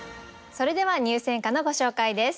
それでは入選歌のご紹介です。